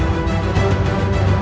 hidup raden walang susah